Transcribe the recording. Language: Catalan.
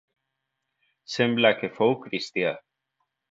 Sembla que fou cristià.